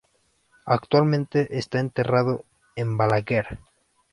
Actualmente está enterrado en Balaguer.